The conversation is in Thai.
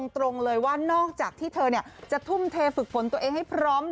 ตรงเลยว่านอกจากที่เธอจะทุ่มเทฝึกฝนตัวเองให้พร้อม